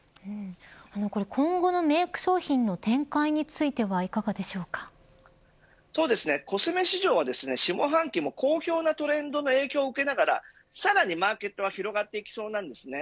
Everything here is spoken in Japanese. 今後のメーク商品の展開についてはそうですね、コスメ市場は下半期も好評なトレンドの影響を受けながらさらにマーケットは広がっていきそうなんですね。